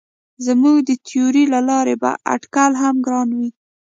زموږ د تیورۍ له لارې به اټکل هم ګران وي.